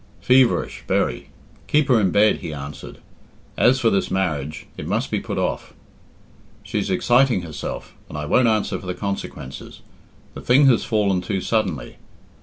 "Feverish, very; keep her in bed," he answered. "As for this marriage, it must be put off. She's exciting herself, and I won't answer for the consequences. The thing has fallen too suddenly.